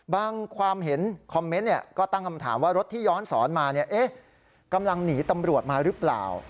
ความเห็นคอมเมนต์ก็ตั้งคำถามว่ารถที่ย้อนสอนมากำลังหนีตำรวจมาหรือเปล่า